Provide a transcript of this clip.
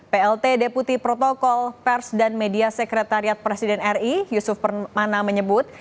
plt deputi protokol pers dan media sekretariat presiden ri yusuf mana menyebut